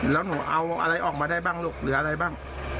แล้วหนูเอาอะไรออกมาได้บ้างลูกหรืออะไรบ้าง